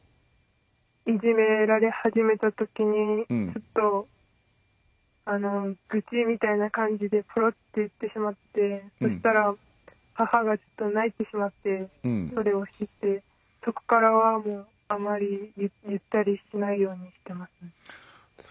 いじめられ始めたときにちょっと愚痴みたいな感じでポロって言ってしまってそしたら母が泣いてしまってそれを知って、そこからはあまり言ったりしないようにしています。